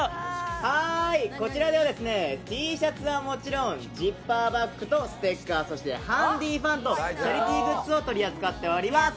こちらではですね、Ｔシャツはもちろん、ジッパーバッグとステッカー、そしてハンディーファンとチャリティーグッズを取り扱っております。